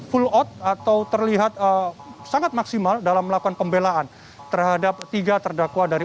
full out atau terlihat sangat maksimal dalam melakukan pembelaan terhadap tiga terdakwa dari